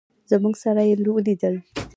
زموږ سره یې ولیدل.